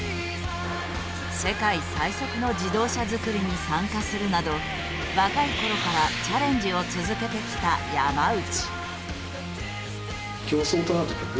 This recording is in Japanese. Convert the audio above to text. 世界最速の自動車作りに参加するなど若いころからチャレンジを続けてきた山内。